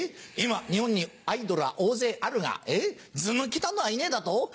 今日本にアイドルは大勢あるがずぬけたのはいねえだと？